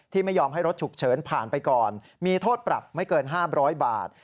ไม่ยอมให้รถฉุกเฉินผ่านไปก่อนมีโทษปรับไม่เกิน๕๐๐บาท